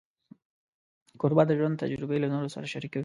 کوربه د ژوند تجربې له نورو سره شریکوي.